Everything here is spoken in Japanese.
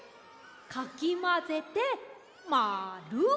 かきまぜてまる！